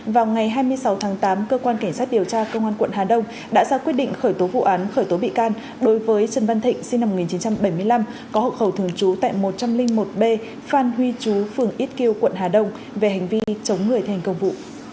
vào ngày hai mươi sáu tháng tám cơ quan cảnh sát điều tra công an quận hà đông đã ra quyết định khởi tố vụ án khởi tố bị can đối với trần văn thịnh sinh năm một nghìn chín trăm bảy mươi năm có hậu khẩu thường trú tại một trăm linh một b phan huy chú phường ít kiêu quận hà đông về hành vi chống người thành công vụ